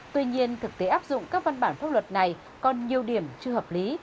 tuy nhiên thực tế áp dụng các văn bản pháp luật này còn nhiều điểm chưa hợp lý